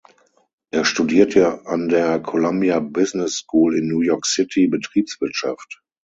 Er studierte an der Columbia Business School in New York City Betriebswirtschaft.